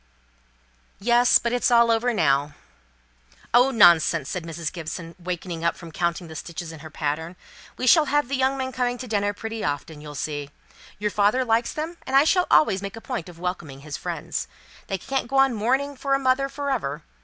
"Yes; but it's all over now." "Oh, nonsense!" said Mrs. Gibson, wakening up from counting the stitches in her pattern. "We shall have the young men coming to dinner pretty often, you'll see. Your father likes them, and I shall always make a point of welcoming his friends. They can't go on mourning for a mother for ever.